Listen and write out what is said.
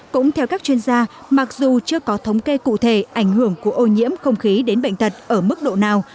cũng theo các chuyên gia mặc dù chưa có thống kê cụ thể ảnh hưởng của ô nhiễm không khí đến bệnh tật ở mức độ nào